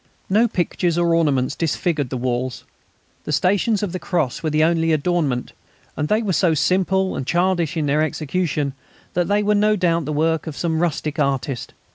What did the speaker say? No pictures or ornaments disfigured the walls. The "Stations of the Cross" were the only adornment, and they were so simple and childish in their execution that they were no doubt the work of some rustic artist.